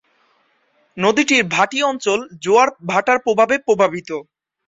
নদীটির ভাটি অঞ্চল জোয়ার ভাটার প্রভাবে প্রভাবিত।